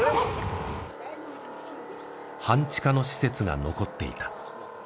半地下の施設が残っていた。